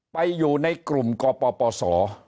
ไปอยู่ในกลุ่มกปศ